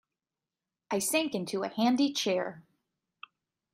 I sank into a handy chair.